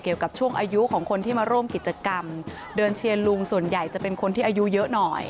เกี่ยวกับช่วงอายุของคนที่มาร่วมกิจกรรมเดินเชียร์ลุงส่วนใหญ่จะเป็นคนที่อายุเยอะหน่อย